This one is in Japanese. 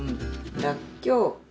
らっきょう。